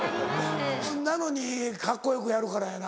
なのにカッコよくやるからやな。